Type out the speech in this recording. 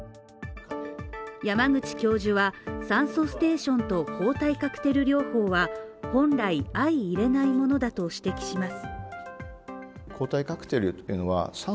山口教授は酸素ステーションと抗体カクテル療法は、本来相いれないものだと指摘します。